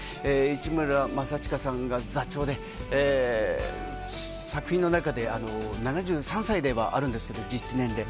市村正親さんが座長で作品の中で７３ではあるんですけど実年齢。